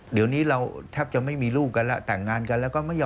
เดี๋ยวนี้เราแทบจะไม่มีลูกกันแล้วแต่งงานกันแล้วก็ไม่ยอม